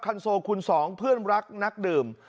โซคุณสองเพื่อนรักนักดื่ม